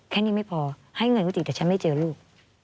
แค่นี้ไม่พอให้เงินก็ดีแต่ฉันไม่เจอลูก